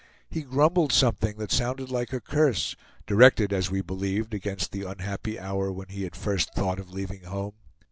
He grumbled something that sounded like a curse, directed as we believed, against the unhappy hour when he had first thought of leaving home.